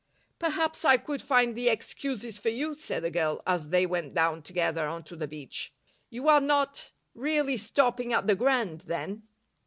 "Perhaps I could find the excuses for you," said the girl, as they went down together on to the beach. "You are not really stopping at the Grand, then?"